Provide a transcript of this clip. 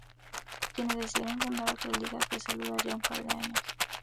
Quienes decidieron fundar otra liga, que solo duraría un par de años.